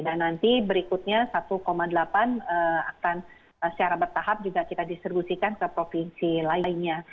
dan nanti berikutnya satu delapan akan secara bertahap juga kita distribusikan ke provinsi lainnya